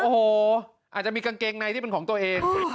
โอ้โหอาจจะมีกางเกงในที่เป็นของตัวเอง